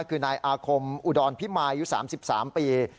คือนายอาคมอุดรพิมายอายุ๓๓ปี